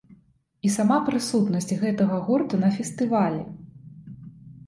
І сама прысутнасць гэтага гурта на фестывалі.